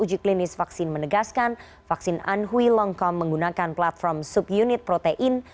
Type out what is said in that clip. uji klinis vaksin menegaskan vaksin anhui longkong menggunakan platform sub unit protein